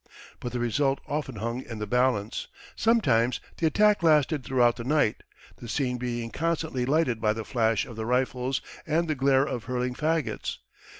But the result often hung in the balance. Sometimes the attack lasted throughout the night, the scene being constantly lighted by the flash of the rifles and the glare of hurling fagots.